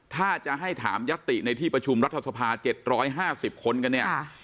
ถ้าจะให้ถามยัตติในที่ประชุมรัฐสภา๗๕๐คนกันเนี่ย